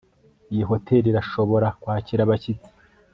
iyi hoteri irashobora kwakira abashyitsi